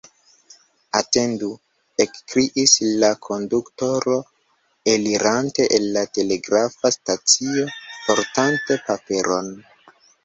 « Atendu! »ekkriis la konduktoro, elirante el la telegrafa stacio, portante paperon.